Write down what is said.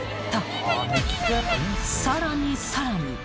［さらにさらに］